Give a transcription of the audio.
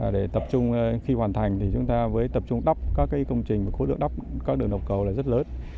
để tập trung khi hoàn thành thì chúng ta với tập trung đắp các công trình khối lượng đắp các đường đầu cầu là rất lớn